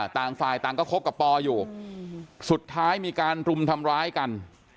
ต่างฝ่ายต่างก็คบกับปออยู่สุดท้ายมีการรุมทำร้ายกัน